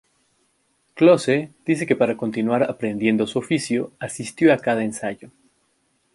Close dice que para continuar aprendiendo su oficio asistió a cada ensayo.